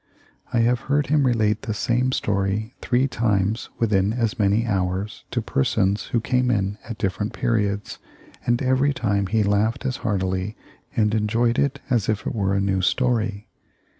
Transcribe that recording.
I have heard him relate the same story three times within as many hours to persons who came in at different periods, and every time he laughed as heartily and enjoyed it as if it were a new story.